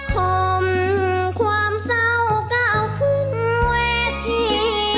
คมความเศร้าก้าวขึ้นเวที